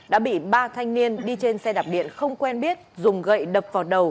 đã bị ba thanh niên đi trên xe đạp điện không quen biết dùng gậy đập vào đầu